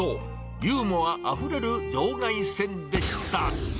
ユーモアあふれる場外戦でした。